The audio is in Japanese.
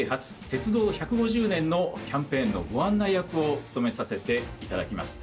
鉄道１５０年」のキャンペーンのご案内役を務めさせていただきます。